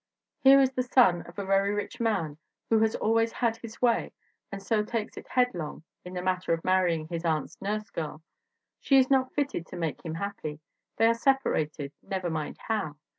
Here is the son of a very rich man who has always had his way and so takes it headlong in the matter of marrying his aunt's nursegirl. She is not fitted to make him happy. They are separated never mind how.